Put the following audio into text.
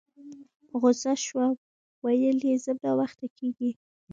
په غوسه شوه ویل یې ځم ناوخته کیږي